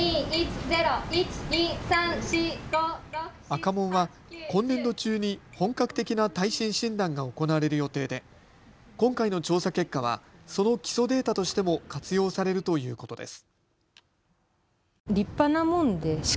赤門は今年度中に本格的な耐震診断が行われる予定で今回の調査結果はその基礎データとしても活用されるということです。